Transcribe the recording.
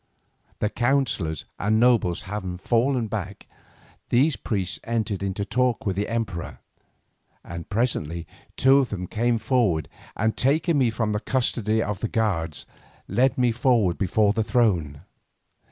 The counsellors and nobles having fallen back, these priests entered into talk with the emperor, and presently two of them came forward and taking me from the custody of the guards, led me forward before the throne.